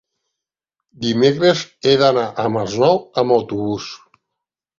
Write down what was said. dimecres he d'anar al Masnou amb autobús.